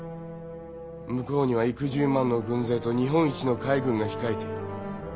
向こうには幾十万の軍勢と日本一の海軍が控えている。